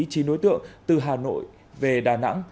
trí nối tượng từ hà nội về đà nẵng